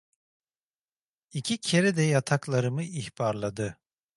İki kere de yataklarımı ihbarladı.